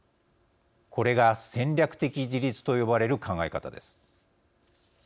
これが戦略的自立と呼ばれる考え方です。